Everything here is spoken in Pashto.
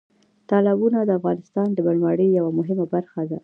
تالابونه د افغانستان د بڼوالۍ یوه مهمه برخه ده.